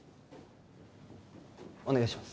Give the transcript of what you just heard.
お願いします